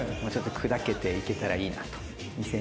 もうちょっと砕けていけたらいいなと。